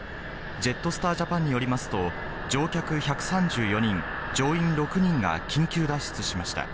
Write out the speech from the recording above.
ジェットスタージャパンによりますと、乗客１３４人、乗員６人が緊急脱出しました。